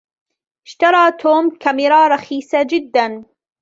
اشترى توم كاميرا رخيصةً جدا.